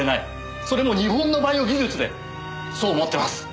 それも日本のバイオ技術でそう思ってます。